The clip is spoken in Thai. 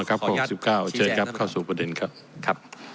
ขออนุญาตชินแจนครับ